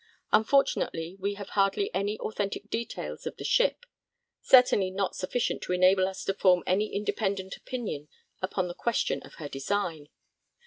Unfortunately we have hardly any authentic details of the ship; certainly not sufficient to enable us to form any independent opinion upon the question of her design.